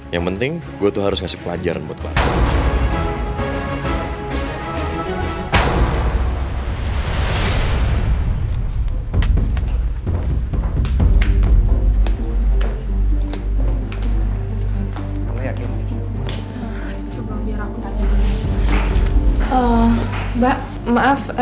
yang penting gua tuh harus ngasih pelajaran buat clara